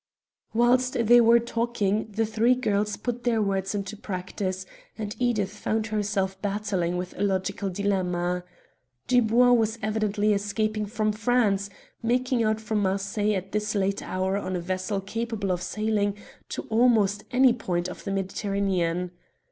Whilst they were talking the three girls put their words into practice, and Edith found herself battling with a logical dilemma. Dubois was evidently escaping from France making out from Marseilles at this late hour on a vessel capable of sailing to almost any point of the Mediterranean.